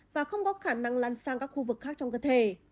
và không có khả năng lan sang các khu vực khác trong cơ thể